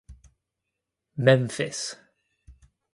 Memphis.